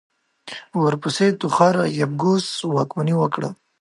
چې ورپسې توخارا يبگوس واکمني وکړه.